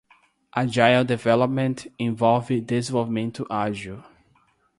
Agile Development envolve desenvolvimento ágil.